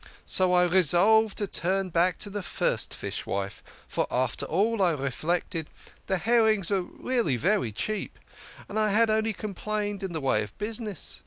So I resolved to turn back to the first fishwife, for, after all, I reflected, the herrings were really very cheap, and I had only complained in the way of business.